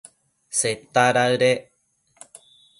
Seta daëdec